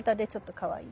かわいい。